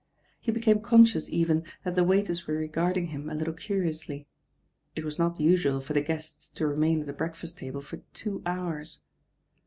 He became conscious even that the waiters were regarding him a 80 THE RAIN OIRL little curiously. It was not usual for the guesta to remain at the breakfast table for two hours.